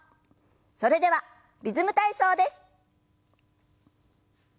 それでは「リズム体操」です。